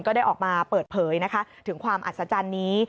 ก็ได้ออกมาเปิดเผยนะคะถึงความอัศจรรย์นี้